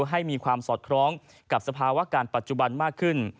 ให้มีความสอดคล้องกับสภาวะการปัจจุบันมากขึ้น